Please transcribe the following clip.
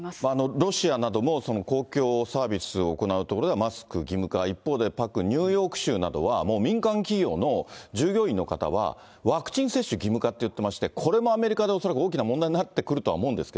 ロシアなども、公共サービスを行う所ではマスク義務化、一方で、パックン、ニューヨーク州などは、もう民間企業の従業員の方はワクチン接種義務化って言ってまして、これもアメリカで恐らく大きな問題になってくると思うんですが。